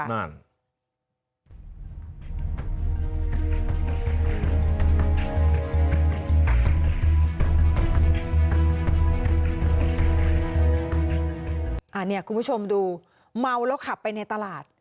อันนี้คุณผู้ชมดูมาวแล้วขับไปในตลาด